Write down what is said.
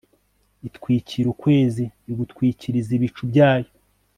itwikira ukwezi, igutwikiriza ibicu byayo